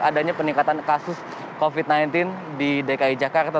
adanya peningkatan kasus covid sembilan belas di dki jakarta